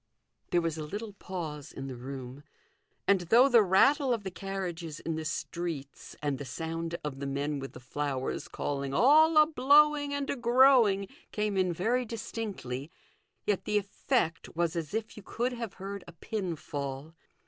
' There was a little pause in the room, and THE GOLDEN RULE. 309 though the rattle of the carriages in the streets, and the sound of the men with the flowers calling, " All a blowirig and a growing," came in very distinctly, yet the effect was as if you could have heard a pin fall.